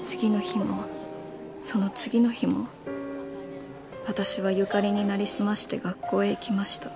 次の日もその次の日も私はユカリになりすまして学校へ行きました。